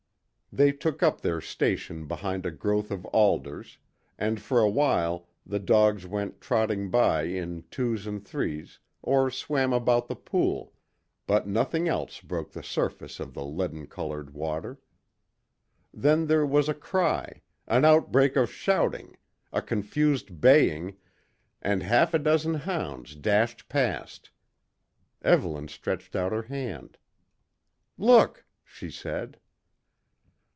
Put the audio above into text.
They took up their station behind a growth of alders, and for a while the dogs went trotting by in twos and threes or swam about the pool, but nothing else broke the surface of the leaden coloured water. Then there was a cry, an outbreak of shouting, a confused baying, and half a dozen hounds dashed past. Evelyn stretched out her hand. "Look!" she said.